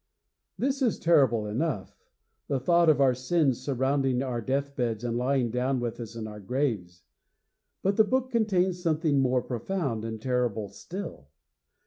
V This is terrible enough the thought of our sins surrounding our deathbeds and lying down with us in our graves but the book contains something more profound and terrible still!